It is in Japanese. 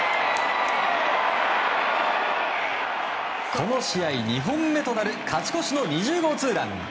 この試合２本目となる勝ち越しの２０号ツーラン。